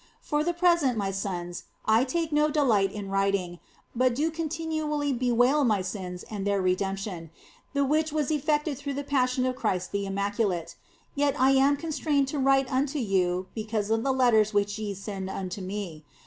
For the present, oh my sons, I take no delight in writing, but do continually bewail my sins and their redemption, the which was effected through the Passion of Christ the Immaculate ; yet am I constrained to write unto you because of the letters which ye send unto me.